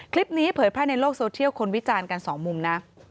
คลิปนี้เผยแพร่ในโลกโซเทียลคนวิจารณ์กัน๒มุมนะ